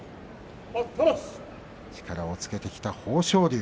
力をつけてきた豊昇龍。